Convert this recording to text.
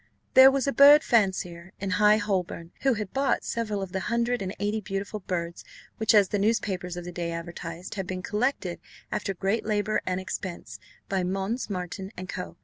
There was a bird fancier in High Holborn, who had bought several of the hundred and eighty beautiful birds, which, as the newspapers of the day advertised, had been "collected, after great labour and expense, by Mons. Marten and Co.